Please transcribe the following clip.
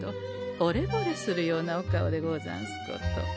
ほれぼれするようなお顔でござんすこと。